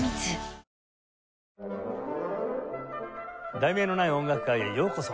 『題名のない音楽会』へようこそ。